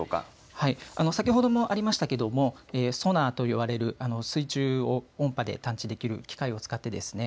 はい、先ほどもありましたけれどもソナーと呼ばれる水中を音波で探知できる機械を使ってですね